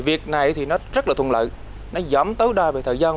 việc này thì nó rất là thuận lợi nó giảm tối đa về thời gian